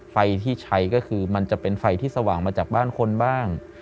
ไฟที่ใช้ก็คือมันจะเป็นไฟที่สว่างมาจากบ้านคนบ้าง